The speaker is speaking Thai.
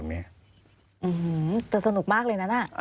อื้อหือจะสนุกมากเลยนะน่ะ